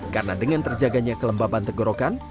karena dengan terjaganya kelembaban tenggorokan